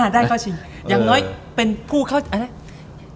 ได้เข้าชิง